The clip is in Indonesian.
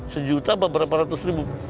sejuta berapa ratus ribu